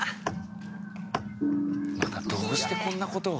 またどうしてこんな事を。